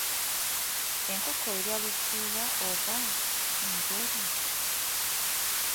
Enkoko eya luzira eba njeru.